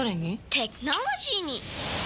テクノロジーに！